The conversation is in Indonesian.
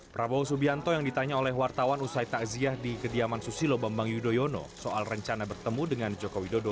prabowo subianto yang ditanya oleh wartawan usai takziah di kediaman susilo bambang yudhoyono soal rencana bertemu dengan joko widodo